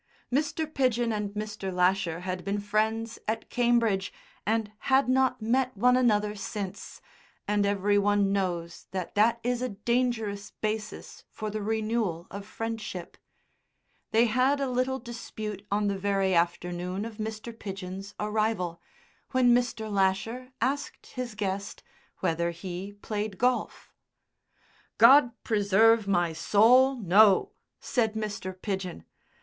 Mr. Pidgen and Mr. Lasher had been friends at Cambridge and had not met one another since, and every one knows that that is a dangerous basis for the renewal of friendship. They had a little dispute on the very afternoon of Mr. Pidgen's arrival, when Mr. Lasher asked his guest whether he played golf. "God preserve my soul! No!" said Mr. Pidgen.